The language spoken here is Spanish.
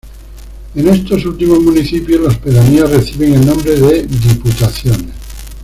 En estos últimos municipios las pedanías reciben el nombre de "diputaciones".